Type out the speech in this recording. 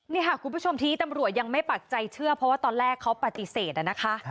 นี่ค่ะคุณผู้ชมที่ตำรวจยังไม่ปักใจเชื่อเพราะว่าตอนแรกเขาปฏิเสธนะคะ